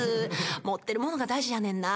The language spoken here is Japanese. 持ってるものが大事やねんな。